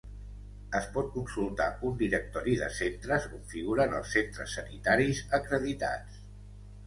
Es pot consultar un directori de centres on figuren els centres sanitaris acreditats.